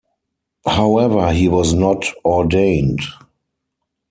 However he was not ordained.